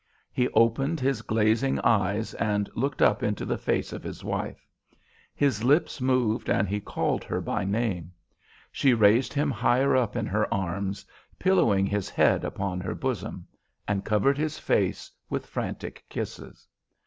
He opened his glazing eyes and looked up into the face of his wife. His lips moved and he called her by name. She raised him higher in her arms, pillowing his head upon her bosom, and covered his face with frantic kisses.